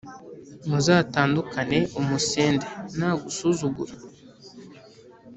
muzatandukane, umusende nagusuzugura